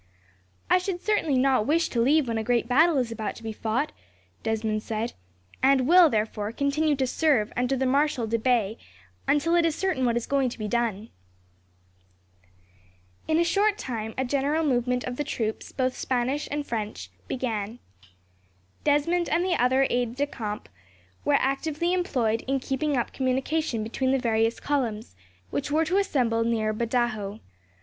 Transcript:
"I should certainly not wish to leave when a great battle is about to be fought," Desmond said, "and will, therefore, continue to serve under the Marshal de Bay until it is certain what is going to be done." In a short time a general movement of the troops, both Spanish and French, began. Desmond and the other aides de camp were actively employed in keeping up communication between the various columns, which were to assemble near Badajos.